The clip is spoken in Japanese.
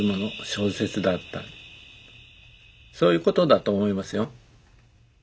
そういうことだと思いますよ。